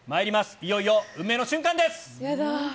いよいよ運命の瞬間です。